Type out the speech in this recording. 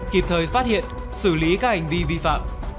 kịp thời phát hiện xử lý các hành vi vi phạm